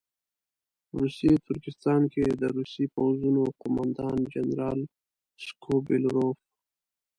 په روسي ترکستان کې د روسي پوځونو قوماندان جنرال سکوبیلروف.